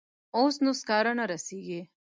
اوس نو سکاره نه رسیږي.